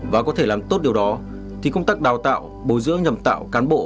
và có thể làm tốt điều đó thì công tác đào tạo bồi dưỡng nhầm tạo cán bộ